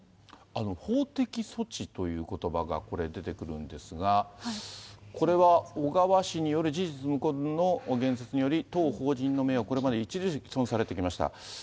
法的措置ということばがこれ、出てくるんですが、これは小川氏による事実無根の言説により、当法人の名誉をこれまで著しく毀損されてきました。